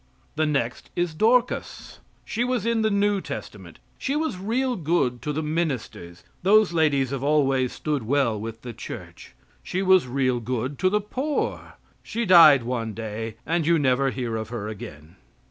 The next is Dorcas. She was in the new testament. She was real good to the ministers. Those ladies have always stood well with the church. She was real good to the poor. She died one day, and you never hear of her again.